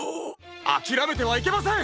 あきらめてはいけません！